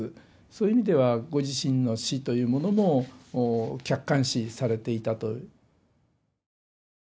そういう意味ではご自身の死というものも客観視されていたと。